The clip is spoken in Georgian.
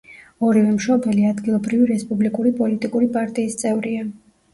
ორივე მშობელი ადგილობრივი რესპუბლიკური პოლიტიკური პარტიის წევრია.